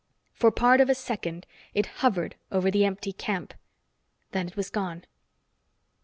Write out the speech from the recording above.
For part of a second, it hovered over the empty camp. Then it was gone.